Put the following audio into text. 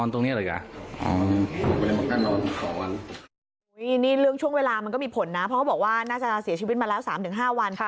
นี่เรื่องช่วงเวลามันก็มีผลนะเพราะเขาบอกว่าน่าจะเสียชีวิตมาแล้ว๓๕วัน